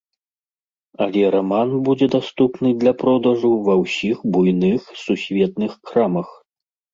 Але раман будзе даступны для продажу ва ўсіх буйных сусветных крамах.